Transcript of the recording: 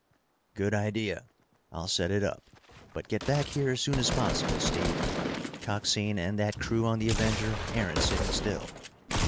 "Good idea! I'll set it up. But get back here as soon as possible, Steve. Coxine and that crew on the Avenger aren't sitting still."